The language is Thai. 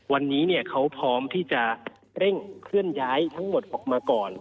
วันนี้เขาพร้อมที่จะเร่งเคลื่อนย้ายทั้งหมดออกมาก่อน